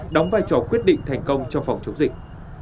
đóng vai trò quyết định thành công trong phòng chống dịch